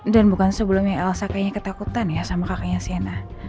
dan bukan sebelumnya elsa kayaknya ketakutan ya sama kakaknya sienna